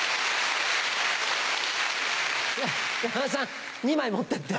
山田さん２枚持ってって。